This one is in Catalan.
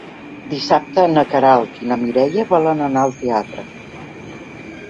Dissabte na Queralt i na Mireia volen anar al teatre.